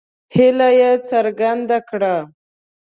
هیله یې څرګنده کړه.